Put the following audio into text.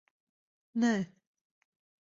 Nē.